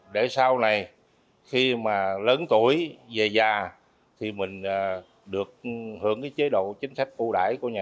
để sau này khi mà lớn tuổi về già thì mình được hưởng cái chế độ chính sách